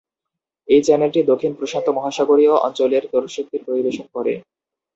এই চ্যানেলটি এশিয়া প্রশান্ত মহাসাগরীয় অঞ্চলের দর্শকদের পরিবেশন করে।